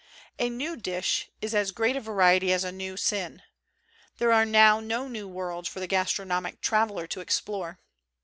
A new dish is as great a variety as a new sin. There are now no new worlds for the gastro nomic traveller to explore.